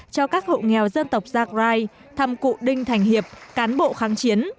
cho các hậu nghèo dân tộc zagrai thăm cụ đinh thành hiệp cán bộ kháng chiến